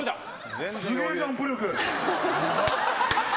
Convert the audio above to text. すげえジャンプ力。